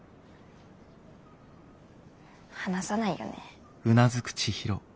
話さないよね。